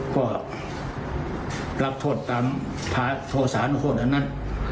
ก็รับโทษตามโทษานุคคลอันนั้น